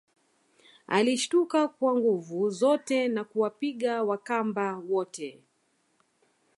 Alishtuka kwa nguvu zote na kuwapiga Wakamba wote